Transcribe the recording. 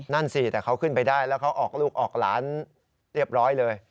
นั่นสิแต่เขาขึ้นไปได้แล้วเขาออกลูกออกหลานเรียบร้อยเลย